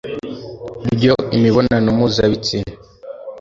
Ryo imibonano mpuzabitsina